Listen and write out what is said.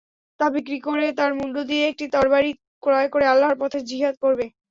তা বিক্রি করে তার মূল্য দিয়ে একটি তরবারী ক্রয় করে আল্লাহর পথে জিহাদ করবে।